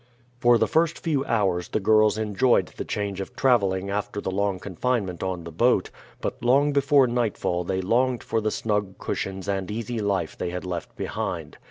For the first few hours the girls enjoyed the change of traveling after the long confinement on the boat, but long before nightfall they longed for the snug cushions and easy life they had left behind.